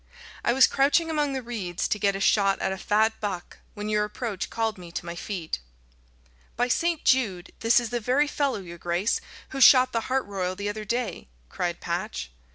I was crouching among the reeds to get a shot at a fat buck, when your approach called me to my feet." "By St. Jude! this is the very fellow, your grace, who shot the hart royal the other day," cried Patch.